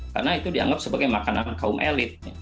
karena itu dianggap sebagai makanan kaum elit